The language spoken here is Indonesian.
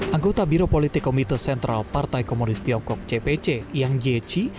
anggota biro politik komite sentral partai komunis tiongkok cpc yang ji